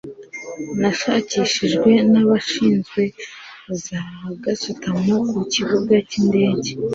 nashakishijwe n'abashinzwe za gasutamo ku kibuga cy'indege